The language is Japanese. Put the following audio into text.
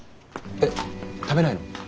えっ食べないの？